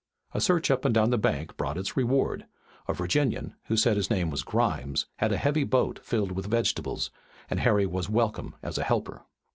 A search up and down the bank brought its reward. A Virginian, who said his name was Grimes, had a heavy boat filled with vegetables, and Harry was welcome as a helper.